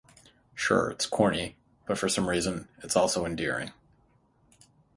Sure, it's corny, but for some reason, it's also endearing.